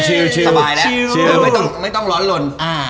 สบายแล้วไม่ต้องร้อนหล่น